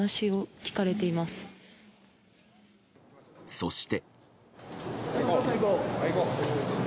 そして。